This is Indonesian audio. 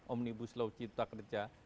omnibus law cipta kerja